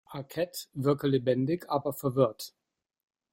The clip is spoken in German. Arquette wirke lebendig, aber verwirrt.